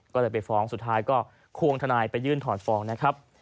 ก็เลยไปฟ้องสุดท้ายก็ควงทนายไปยื่นถอนฟ้องนะครับ